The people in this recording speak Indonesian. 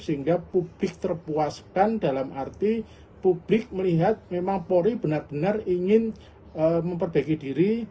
sehingga publik terpuaskan dalam arti publik melihat memang polri benar benar ingin memperbaiki diri